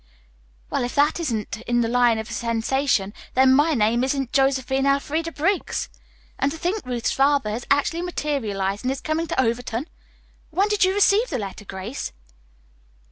"Well, if that isn't in the line of a sensation, then my name isn't Josephine Elfreda Briggs! And to think Ruth's father has actually materialized and is coming to Overton? When did you receive the letter, Grace?"